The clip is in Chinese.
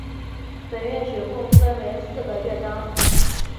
本乐曲共分为四个乐章。